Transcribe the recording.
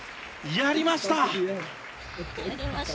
やりました！